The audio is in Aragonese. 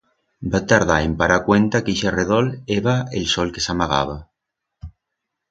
Va tardar en parar cuenta que ixe redol eba el sol que s'amagaba.